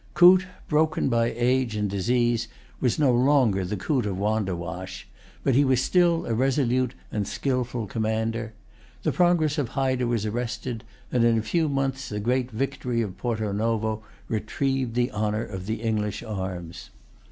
Coote, broken by age and disease, was no longer the Coote of Wandewash; but he was still a resolute and skilful commander. The progress of Hyder was arrested; and in a few months the great victory of Porto Novo retrieved the honor of the English arms.